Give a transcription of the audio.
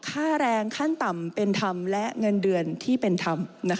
ค่าแรงขั้นต่ำเป็นธรรมและเงินเดือนที่เป็นธรรม